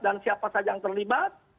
dan siapa saja yang terlibat